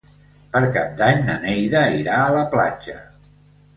Per Cap d'Any na Neida irà a la platja.